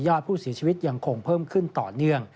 อดผู้เสียชีวิตยังคงเพิ่มขึ้นต่อเนื่อง